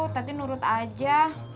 tadi nurut aja